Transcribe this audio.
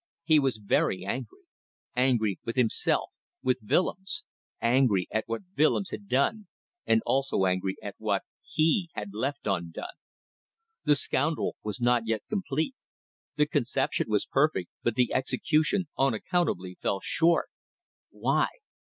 He was very angry. Angry with himself, with Willems. Angry at what Willems had done and also angry at what he had left undone. The scoundrel was not complete. The conception was perfect, but the execution, unaccountably, fell short. Why?